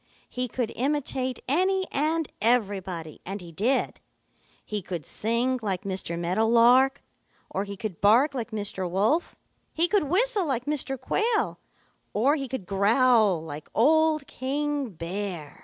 He could imitate any and everybody, and he did. He could sing like Mr. Meadow Lark, or he could bark like Mr. Wolf. He could whistle like Mr. Quail, or he could growl like old King Bear.